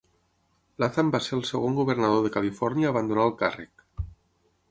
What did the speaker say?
Latham va ser el segon governador de Califòrnia a abandonar el càrrec.